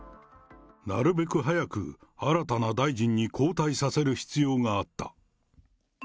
なるべく早く新たな大臣に交代させる必要があった。